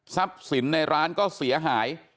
สินในร้านก็เสียหาย